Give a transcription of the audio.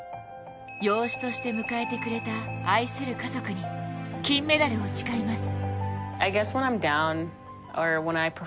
養子として迎えてくれた愛する家族に金メダルを誓います。